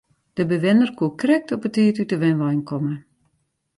De bewenner koe krekt op 'e tiid út de wenwein komme.